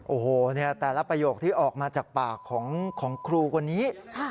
โอ้โหแต่ละประโยคที่ออกมาจากปากของครูคนนี้